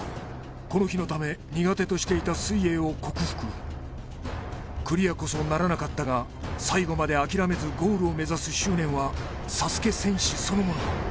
この日のため苦手としていた水泳を克服クリアこそならなかったが最後まで諦めずゴールを目指す執念はＳＡＳＵＫＥ戦士そのもの